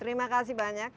terima kasih banyak